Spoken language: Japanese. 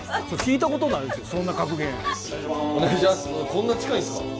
こんな近いんすか？